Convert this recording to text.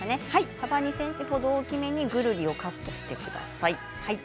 幅２ｃｍぐらいぐるりをカットしてください。